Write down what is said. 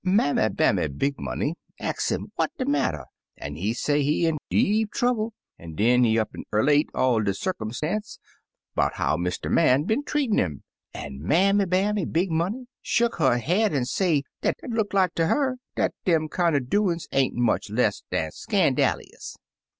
Mammy Bammy Big Money ax *im what de matter, an* he say he in deep trouble, an* den he up an* erlate all de circumstance, *bout how Mr. Man bqen treatin* *im, an* Mammy Bammy Big Money shuck her head an* say dat it look like ter her dat dem kinder doin*s ain*t much less dan scandalious.